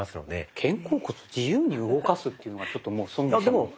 肩甲骨自由に動かすっていうのがちょっともうそもそも。